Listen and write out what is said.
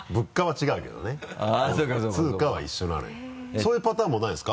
そういうパターンもないですか？